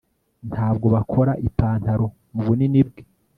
ntabwo bakora ipantaro mubunini bwe